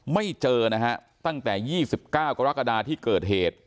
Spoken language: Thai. ไม่เจอนะฮะตั้งแต่๒๙กรกฎาที่เกิดเหตุ